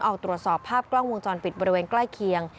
เอาตรวจสอบภาพกล้องวงจรปิดบริเวณใกล้เคียง